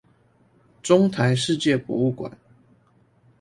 中台世界博物館